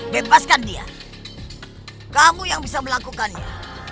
bebaskan dia kamu yang bisa melakukannya